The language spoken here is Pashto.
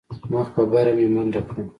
مخ په بره مې منډه کړه.